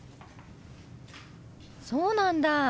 そうなんだ。